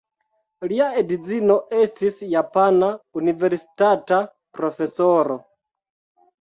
Lia edzino estis japana universitata profesoro.